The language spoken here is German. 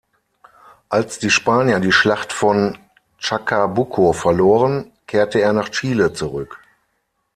Als die Spanier die Schlacht von Chacabuco verloren, kehrte er nach Chile zurück.